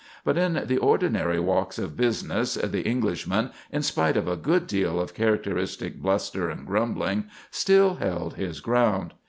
But in the ordinary walks of business the Englishman, in spite of a good deal of characteristic bluster and grumbling, still held his ground.